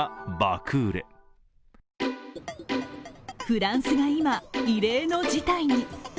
フランスが今、異例の事態に。